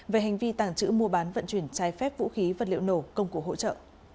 với các vũ khí vật liệu nổ công cụ hỗ trợ